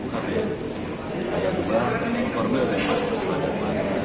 ya bukan ya